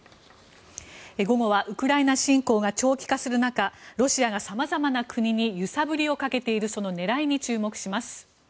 午後はウクライナ侵攻が長期化する中ロシアが様々な国に揺さぶりをかけているその狙いに注目します。